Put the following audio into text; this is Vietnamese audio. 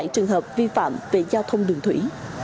ba sáu trăm ba mươi bảy trường hợp vi phạm về giao thông đường thủy